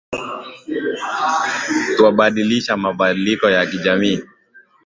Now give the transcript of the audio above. twabandilisha mabadiliko ya kijamii